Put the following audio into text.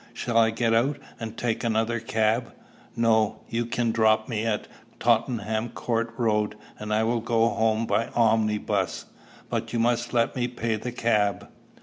Shall I get out, and take another cab?" "No. You can drop me at Tottenham Court Road, and I will go home by omnibus. But you must let me pay the cab."